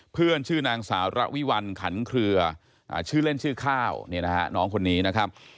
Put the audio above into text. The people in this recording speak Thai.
เพื่อนชื่อนางสาวระวิวัลขันเครือชื่อเล่นชื่อข้าวเนี่ยนะฮะน้องคนนี้นะครับ